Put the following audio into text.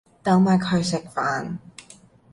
等埋佢食飯